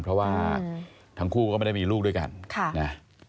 เพราะว่าทั้งคู่ก็ไม่ได้มีลูกด้วยกันค่ะนะ